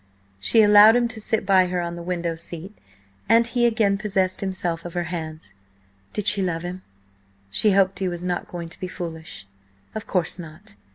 She allowed him to sit by her on the window seat, and he again possessed himself of her hands. Did she love him? She hoped he was not going to be foolish. Of course not.